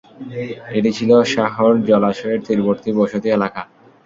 এটি ছিল শাহর জলাশয়ের তীরবর্তী বসতি এলাকা।